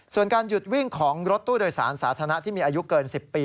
ส่วนการหยุดวิ่งของรถตู้โดยสารสาธารณะที่มีอายุเกิน๑๐ปี